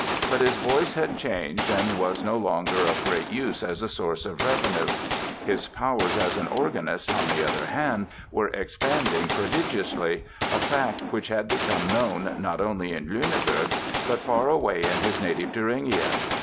But his voice had changed and was no longer of great use as a source of revenue. His powers as an organist, on the other hand, were expanding prodigiously, a fact which had become known not only in Lüneburg but far away in his native Thuringia.